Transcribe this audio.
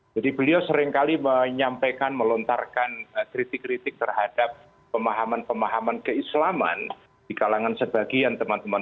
jadi beliau seringkali menyampaikan melontarkan kritik kritik terhadap pemahaman pemahaman keislaman di kalangan sebagian teman teman